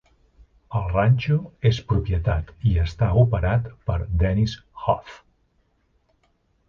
El ranxo és propietat i està operat per Dennis Hof.